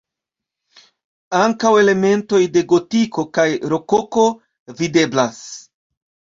Ankaŭ elementoj de gotiko kaj rokoko videblas.